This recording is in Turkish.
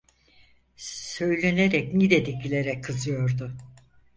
Söylenerek Niğde'dekilere kızıyordu.